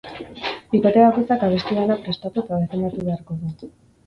Bikote bakoitzak abesti bana prestatu eta defendatu beharko du.